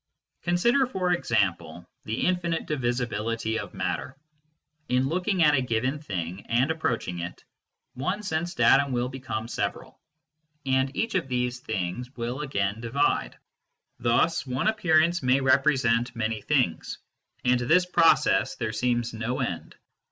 Consider for example the infinite divisibility of matter In looking at a given thing and approaching it, one sense datum will become several, and each of these will again divide. Thus one appearance may represent many things, and to this process there seems no end.